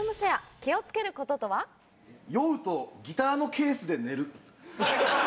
「酔うとギターのケースで寝る」。